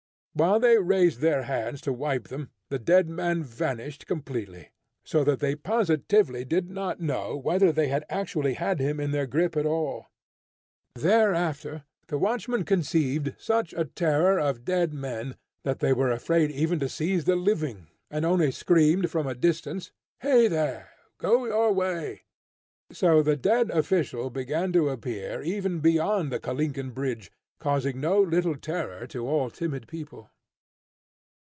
While they raised their hands to wipe them, the dead man vanished completely, so that they positively did not know whether they had actually had him in their grip at all. Thereafter the watchmen conceived such a terror of dead men that they were afraid even to seize the living, and only screamed from a distance. "Hey, there! go your way!" So the dead official began to appear even beyond the Kalinkin Bridge, causing no little terror to all timid people.